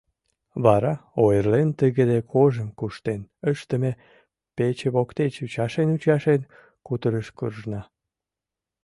Вара, ойырлен, тыгыде кожым куштен ыштыме пече воктеч ӱчашен-ӱчашен кутырыш куржна.